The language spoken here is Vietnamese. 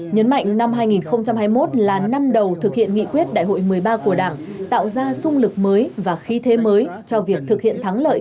nhấn mạnh năm hai nghìn hai mươi một là năm đầu thực hiện nghị quyết đại hội một mươi ba của đảng tạo ra sung lực mới và khí thế mới cho việc thực hiện thắng lợi